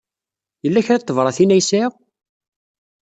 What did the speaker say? Yella kra n tebṛatin ay sɛiɣ?